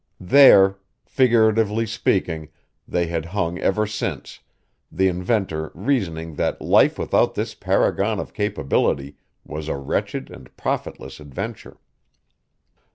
There, figuratively speaking, they had hung ever since, the inventor reasoning that life without this paragon of capability was a wretched and profitless adventure.